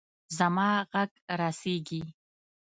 زما ږغ رسیږي.